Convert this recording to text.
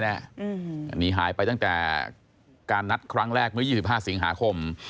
อันนี้หายไปตั้งแต่การนัดครั้งแรกเมื่อ๒๕สิงหาคม